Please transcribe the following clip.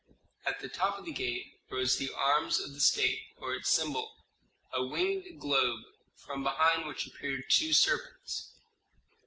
At the top of the gate rose the arms of the state, or its symbol: a winged globe, from behind which appeared two serpents.